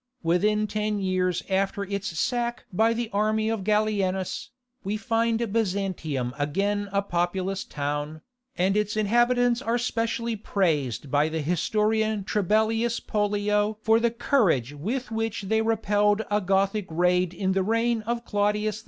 Within ten years after its sack by the army of Gallienus, we find Byzantium again a populous town, and its inhabitants are specially praised by the historian Trebellius Pollio for the courage with which they repelled a Gothic raid in the reign of Claudius II.